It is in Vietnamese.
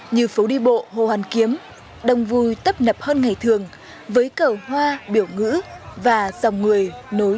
như phố đi bộ hồ hoàn kiếm đông vui tấp nập hơn ngày thường với cầu hoa biểu ngữ và dòng người nối